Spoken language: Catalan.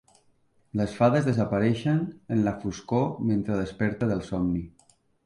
Les fades desapareixen en la foscor mentre desperta del somni.